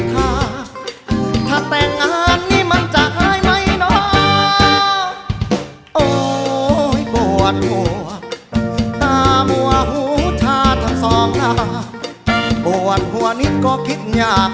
คุณหนุ่ยร้องได้หรือว่าร้องผิดครับ